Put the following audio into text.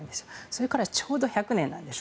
それからちょうど１００年なんです。